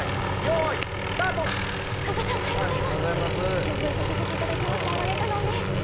今日ご一緒させていただきます天希かのんです！